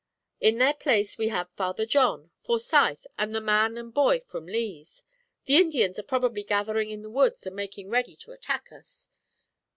In their place we have Father John, Forsyth, and the man and boy from Lee's. The Indians are probably gathering in the woods and making ready to attack us.